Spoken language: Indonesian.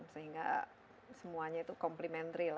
sehingga semuanya itu complementary